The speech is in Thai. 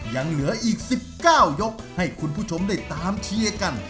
ยังเหลืออีก๑๙ยกให้คุณผู้ชมได้ตามเชียร์กัน